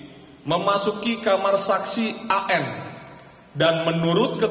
tersangka ims memasuki kamar saksi aye dalam keadaan magazin ke dalam tas